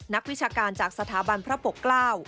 วิชาการจากสถาบันพระปกเกล้า